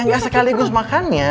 ya nggak sekaligus makannya